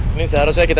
ini seharusnya kita